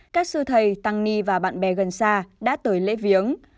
các sư thầy tăng ni và bạn bè gần xa đã tới lễ viếng